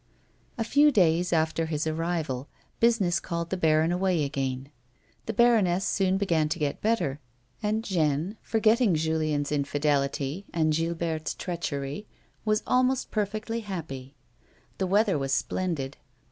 A few days after his arrival, business called the baron away again. The baroness soon began co get better, and Jeanne, forgetting Julien's infidelity and Gilberte's treachery^ was almost perfectly happy. The weather was splendid.